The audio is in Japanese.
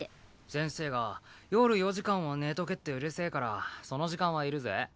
先生が夜４時間は寝とけってうるせぇからその時間はいるぜ。